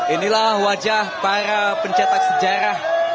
inilah wajah para pencetak sejarah